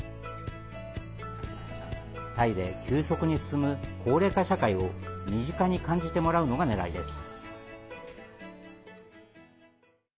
タイで急速に進む高齢化社会を身近に感じてもらうのがねらいです。